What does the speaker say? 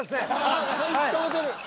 ［あっ息止めてる］